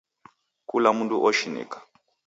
Kula mndu oshinika.